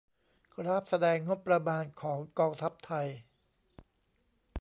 กราฟแสดงงบประมาณของกองทัพไทย